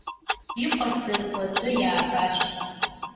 Иҟарҵаз уаҵәы иаабашт.